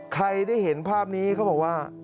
ใครได้เห็นภาพนี้เขาบอกว่า